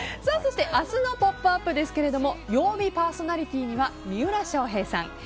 そして明日の「ポップＵＰ！」ですが曜日パーソナリティーには三浦翔平さん